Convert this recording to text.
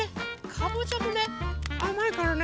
かぼちゃもねあまいからね。